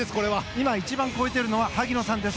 今、一番超えているのは萩野さんです。